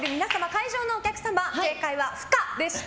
会場のお客様正解は不可でした。